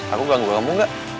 aku ganggu kamu gak